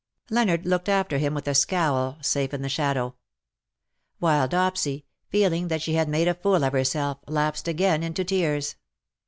Leonard looked after him with a scowl, safe in the shadow; while Dopsy, feeling that she had made a fool of herself, lapsed again into tears.